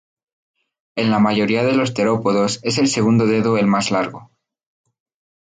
En la mayoría de los terópodos es el segundo dedo el más largo.